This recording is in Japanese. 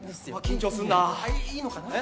緊張するないいのかな？